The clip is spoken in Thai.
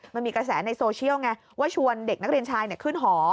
มันมีกระแสในโซเชียลไงว่าชวนเด็กนักเรียนชายขึ้นหอ